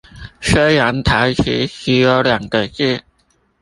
雖然台詞只有兩個字